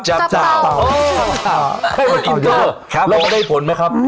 จับเต่าจับเต่าโอ้โหครับให้มันอินเตอร์ครับแล้วก็ได้ผลไหมครับ